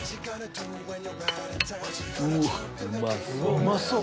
うまそう！